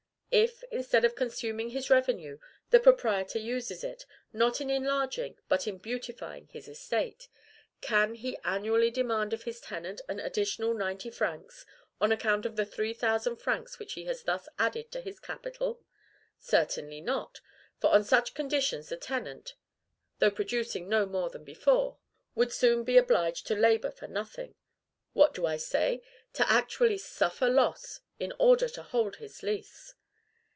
If, instead of consuming his revenue, the proprietor uses it, not in enlarging but in beautifying his estate, can he annually demand of his tenant an additional ninety francs on account of the three thousand francs which he has thus added to his capital? Certainly not; for on such conditions the tenant, though producing no more than before, would soon be obliged to labor for nothing, what do I say? to actually suffer loss in order to hold his lease.